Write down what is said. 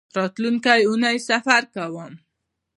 راتلونکۍ اونۍ سفر کوم